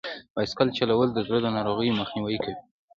بایسکل چلول د زړه د ناروغیو مخنیوی کوي.